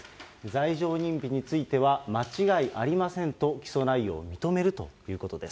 罪状認否については、間違いありませんと起訴内容を認めるということです。